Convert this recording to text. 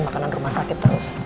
makanan rumah sakit terus